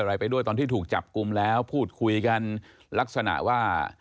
ไปด้วยตอนที่ถูกจับกลุ่มแล้วพูดคุยกันลักษณะว่า